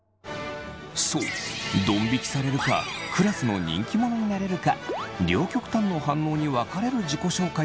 そうドン引きされるかクラスの人気者になれるか両極端の反応に分かれる自己紹介がありました。